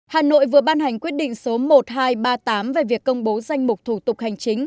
hà nội vừa ban hành quyết định số một nghìn hai trăm ba mươi tám về việc công bố danh mục thủ tục hành chính